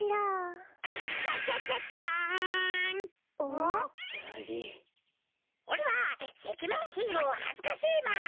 おれはせきめんヒーローはずかしいマン！